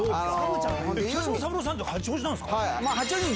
北島三郎さんって八王子なんすか？